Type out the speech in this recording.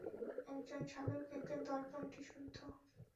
একজন সাধুর ক্ষেত্রে দর্পণটি শুদ্ধ।